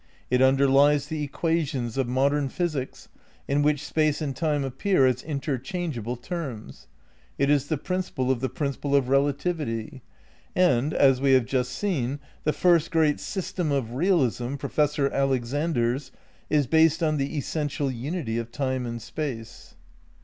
It under lies the equations of modem physics in which Space and Time appear as interchangeable terms. It is the principle of the Principle of Relativity. And, as we have just seen, the first great system of Realism, Pro fessor Alexander's, is based on the essential unity of Time and Space.